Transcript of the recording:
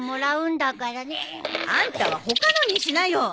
あんたは他のにしなよ。